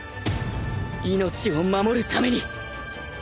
命を守るために